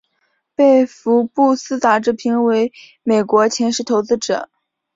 被福布斯杂志评选为美国前十投资者。